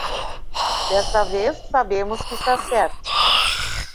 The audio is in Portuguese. Desta vez, sabemos que está certo.